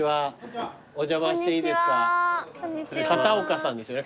片岡さんですよね